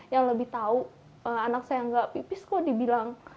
yang lebih tau anak saya gak pipis kok dibilang